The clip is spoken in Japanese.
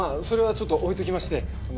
それはちょっと置いときまして。